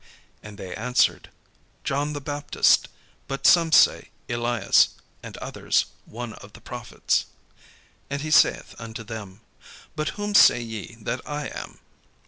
And they answered, "John the Baptist: but some say, Elias; and others, One of the prophets." And he saith unto them, "But whom say ye that I am?"